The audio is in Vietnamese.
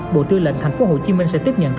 bộ tư lệnh thành phố hồ chí minh sẽ tiếp nhận